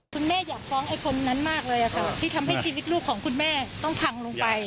แม่อยากฟ้องไอ้คนนั้นมากเลยที่ทำให้ชีวิตลูกของคุณแม่ต้องพังลงไป